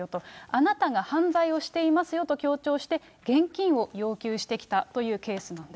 あなたが犯罪をしていますよと強調して、現金を要求してきたというケースもあります。